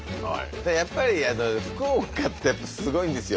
やっぱり福岡ってやっぱすごいんですよ。